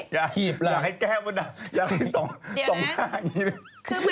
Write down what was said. อยากให้แก้มน่ะอยากให้สองหน้าอย่างนี้